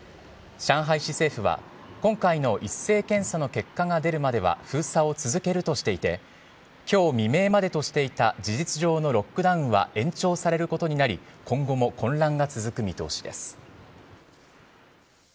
上海市政府は、今回の一斉検査の結果が出るまでは封鎖を続けるとしていて、きょう未明までとしていた事実上のロックダウンは延長されることになり、今後も混乱が続く見通しです。